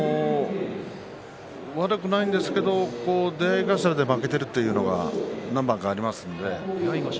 悪くはないんですけど出会い頭で負けているというのが何番かありましたね。